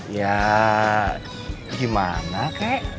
ya gimana kek